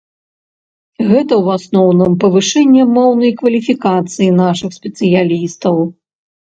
Гэта ў асноўным павышэнне моўнай кваліфікацыі нашых спецыялістаў.